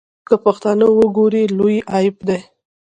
که پښتانه وګوري لوی عیب دی.